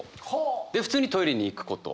で普通にトイレに行くこと。